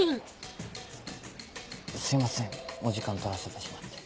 すいませんお時間取らせてしまって。